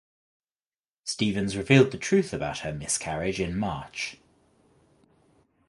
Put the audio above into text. Stevens revealed the truth about her miscarriage in March.